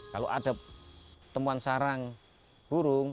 kalau ada temuan sarang burung